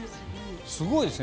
すごいですね。